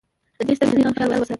د د ې ستر انسان خیال وساتي.